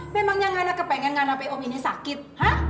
memangnya ngana kepengen ngampe om ini sakit ha